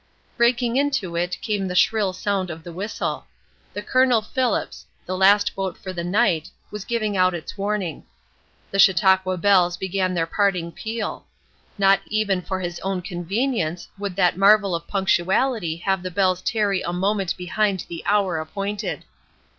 Breaking into it, came the shrill sound of the whistle. The Col. Phillips the last boat for the night was giving out its warning. The Chautauqua bells began their parting peal. Not even for his own convenience would that marvel of punctuality have the bells tarry a moment behind the hour appointed.